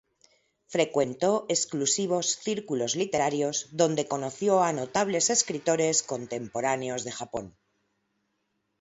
Frecuentó exclusivos círculos literarios donde conoció a notables escritores contemporáneos de Japón.